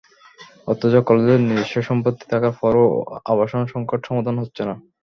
অথচ কলেজের নিজস্ব সম্পত্তি থাকার পরও আবাসন সংকট সমাধান হচ্ছে না।